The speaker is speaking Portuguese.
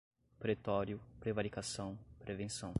pretório, prevaricação, prevenção